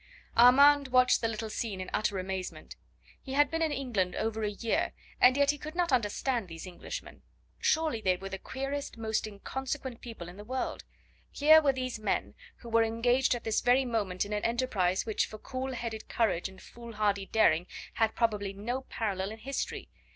Armand watched the little scene in utter amazement. He had been in England over a year, and yet he could not understand these Englishmen. Surely they were the queerest, most inconsequent people in the world. Here were these men, who were engaged at this very moment in an enterprise which for cool headed courage and foolhardy daring had probably no parallel in history.